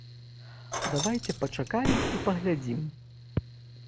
Давайце пачакаем і паглядзім.